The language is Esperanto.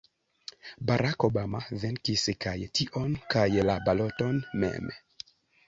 Barack Obama venkis kaj tion kaj la baloton mem.